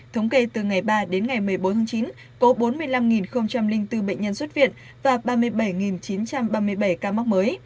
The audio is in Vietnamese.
thống kê từ ngày ba đến ngày một mươi bốn tháng chín có bốn mươi năm bốn bệnh nhân xuất viện và ba mươi bảy chín trăm ba mươi bảy ca mắc mới